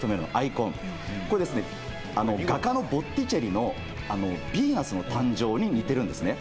これ、画家のボッティチェリの『ヴィーナスの誕生』に似てるんですね。